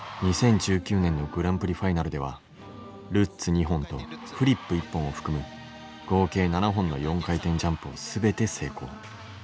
２０１９年のグランプリファイナルではルッツ２本とフリップ１本を含む合計７本の４回転ジャンプを全て成功。